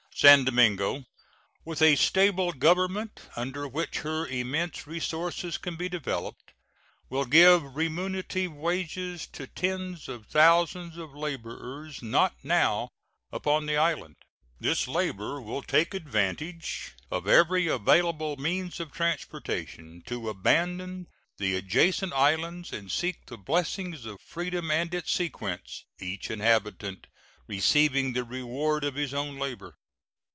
San Domingo, with a stable government, under which her immense resources can be developed, will give remunerative wages to tens of thousands of laborers not now upon the island. This labor will take advantage of every available means of transportation to abandon the adjacent islands and seek the blessings of freedom and its sequence each inhabitant receiving the reward of his own labor.